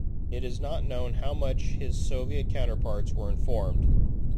It's not known how much his Soviet counterparts were informed.